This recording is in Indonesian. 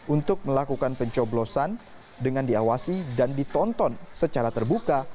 untuk melakukan pencoblosan dengan diawasi dan ditonton secara terbuka